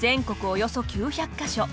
およそ９００か所。